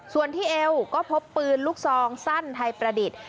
ส่วนที่เอวก็พบปืนลูกซองสั้นไทยประดิษฐ์